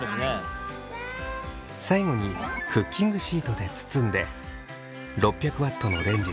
最後にクッキングシートで包んで６００Ｗのレンジで３分。